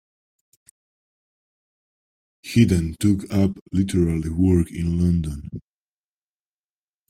He then took up literary work in London.